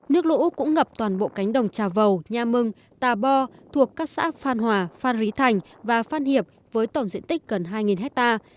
nước lũ cũng ngập toàn bộ cánh đồng trà vầu nha mừng tà bo thuộc các xã phan hòa phan rí thành và phan hiệp với tổng diện tích gần hai hectare